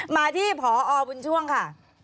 มาที่พอบุญช่วงค่ะ